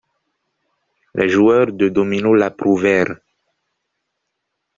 Les joueurs de dominos l'approuvèrent.